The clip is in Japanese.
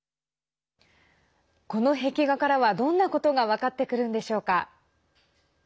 この壁画からは、どんなことが分かってくるんでしょうか。